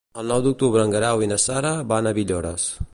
El nou d'octubre en Guerau i na Sara van a Villores.